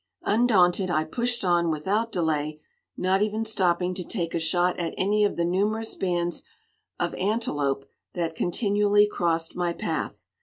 Undaunted, I pushed on without delay, not even stopping to take a shot at any of the numerous bands of antelope that continually crossed my path.